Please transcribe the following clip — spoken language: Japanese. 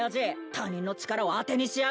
他人の力を当てにしやがって！